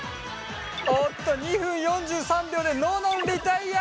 おっと２分４３秒でののんリタイア。